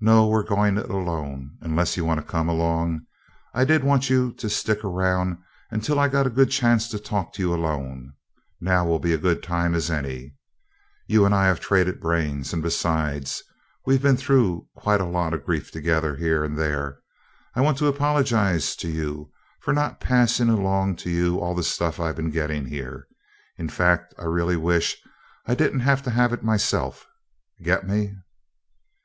"No, we're going it alone unless you want to come along. I did want you to stick around until I got to a good chance to talk to you alone now will be a good a time as any. You and I have traded brains, and besides, we've been through quite a lot of grief together, here and there I want to apologize to you for not passing along to you all this stuff I've been getting here. In fact, I really wish I didn't have to have it myself. Get me?"